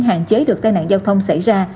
hạn chế được tai nạn giao thông xảy ra